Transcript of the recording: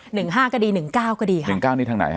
หนึ่งห้าก็ดีหนึ่งเก้าก็ดีค่ะหนึ่งเก้านี้ทางไหนฮ